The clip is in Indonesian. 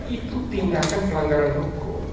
itu tindakan pelanggaran hukum